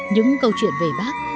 những câu chuyện về bác